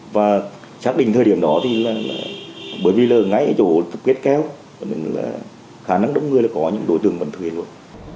và chắc định thời điểm đó thì bởi vì là ngay chỗ kết kéo khả năng đông người có những đội thương vận thuyền luôn